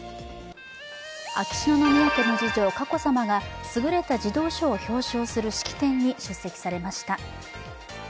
秋篠宮家の次女・佳子さまが優れた児童書を表彰する式典に出席されました。